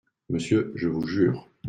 Monsieur… je vous jure…